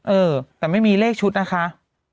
เออแต่ไม่มีเลขชุดนะคะ